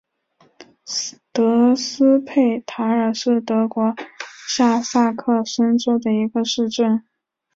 德斯佩塔尔是德国下萨克森州的一个市镇。